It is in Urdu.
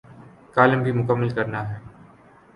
کالم بھی مکمل کرنا ہے۔